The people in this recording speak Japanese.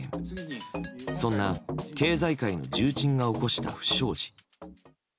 そんな経済界の重鎮が起こした不祥事。